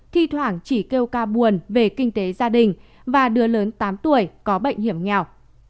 thi thoảng chỉ kêu ca buồn về kinh tế gia đình và đứa lớn tám tuổi có bệnh hiểm nghèo